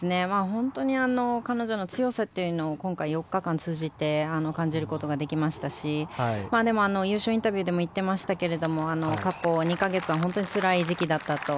本当に彼女の強さというのを今回、４日間通じて感じることができましたしでも、優勝インタビューでも言ってましたが過去２か月は本当につらい時期だったと。